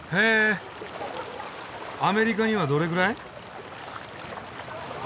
アメリカにはどれぐらい？